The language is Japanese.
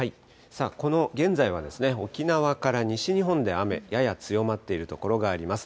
さあ、この現在は沖縄から西日本で雨、やや強まっている所があります。